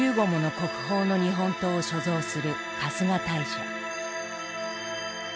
国宝の日本刀を所蔵する春日大社。